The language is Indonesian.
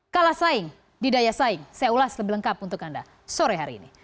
kalah saing di daya saing saya ulas lebih lengkap untuk anda sore hari ini